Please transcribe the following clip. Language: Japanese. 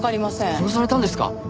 殺されたんですか？